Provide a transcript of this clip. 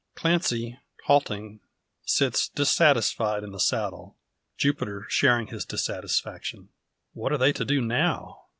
Clancy, halting, sits dissatisfied in the saddle; Jupiter sharing his dissatisfaction. What are they to do now?